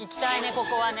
ここはね。